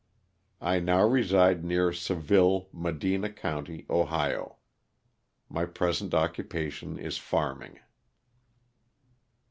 I now reside near Seville, Medina county, Ohio. My present occupation is farming.